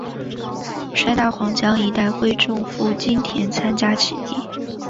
率大湟江一带会众赴金田参加起义。